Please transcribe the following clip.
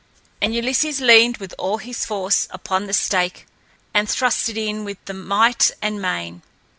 And Ulysses leaned with all his force upon the stake and thrust it in with might and main.